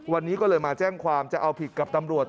วันนี้ก็เลยมาแจ้งความจะเอาผิดกับตำรวจ